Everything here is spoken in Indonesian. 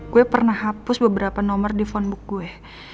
gue pernah hapus beberapa nomor di phonebook gue